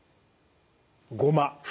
ごま。